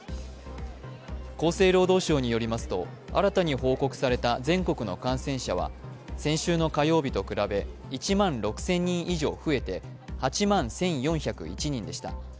厚生労働省によりますと、新たに報告された全国の感染者は先週の火曜日と比べ１万６０００人以上増えて８万１４０１人でした。